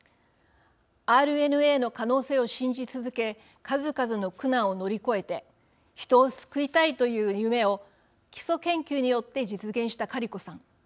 ＲＮＡの可能性を信じ続け数々の苦難を乗り越えて人を救いたいという夢を基礎研究によって実現したカリコさん。